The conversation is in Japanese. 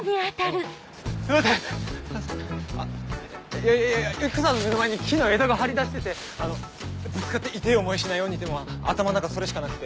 いやいやユキコさんの目の前に木の枝が張り出しててぶつかって痛ぇ思いしないようにって頭の中それしかなくて。